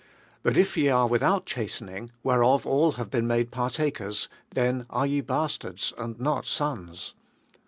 8. But if ye are without chastening, whereof all have been made partakers, then are ye bastards, and not sons.